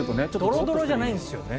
ドロドロじゃないんですよね。